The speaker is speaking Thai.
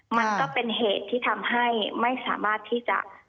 มันก็เป็นเหตุที่ทำให้ไม่สามารถที่จะ